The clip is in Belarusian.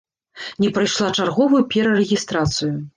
Не прайшла чарговую перарэгістрацыю.